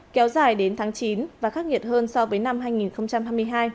kéo dài đến tháng chín và khắc nghiệt hơn so với năm hai nghìn hai mươi hai